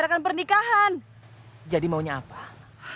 tidak mas saya belum siap menikah